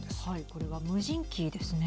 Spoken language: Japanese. これは、無人機ですね。